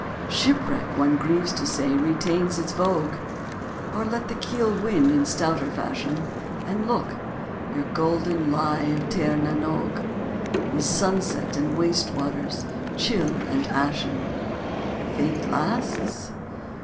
Shipwreck, one grieves to say, retains its vogue: Or let the keel win on in stouter fashion, And look! your golden lie of Tir na n'Og Is sunset and waste waters, chill and ashen Faith lasts?